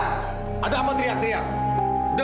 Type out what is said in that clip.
kamulah kamilah meninggal